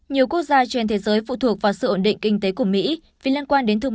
nhiều quốc gia trên thế giới phụ thuộc vào sự ổn định kinh tế của mỹ vì liên quan đến thương